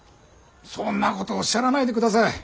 そんなことおっしゃらないでください。